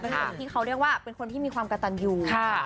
เป็นคนที่เขาเรียกว่าเป็นคนที่มีความกระตันอยู่